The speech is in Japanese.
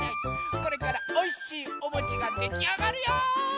これからおいしいおもちができあがるよ！